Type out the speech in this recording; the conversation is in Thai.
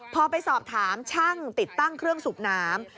พอไปสอบถามช่างติดตั้งเครื่องสูบน้ำ